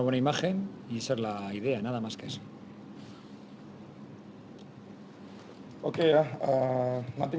saya ingin memberikan pandangan kepada pemain